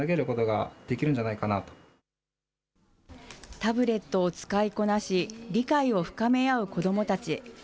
タブレットを使いこなし、理解を深め合う子どもたち。